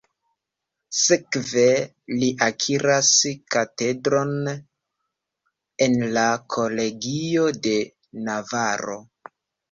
Sekve, li akiras katedron en la Kolegio de Navaro.